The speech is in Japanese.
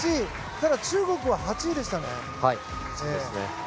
ただ中国は８位でしたね。